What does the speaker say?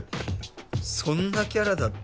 そんなキャラだった？